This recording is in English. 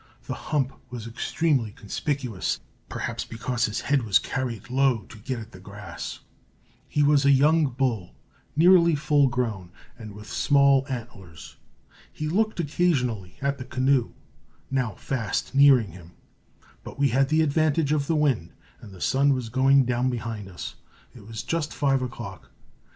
The hump was extremely conspicuous, perhaps because his head was carried low to get at the grass. He was a young bull, nearly full grown, and with small antlers. He looked occasionally at the canoe, now fast nearing him; but we had the advantage of the wind, and the sun was going down behind us. It was just 5 o'clock.